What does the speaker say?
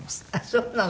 そうなの？